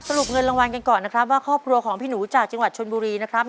รุปเงินรางวัลกันก่อนนะครับว่าครอบครัวของพี่หนูจากจังหวัดชนบุรีนะครับ